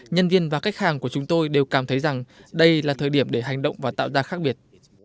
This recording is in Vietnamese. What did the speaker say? nhân viên và khách hàng của chúng tôi đều cảm thấy rằng đây là thời điểm để hành động và tạo ra khác biệt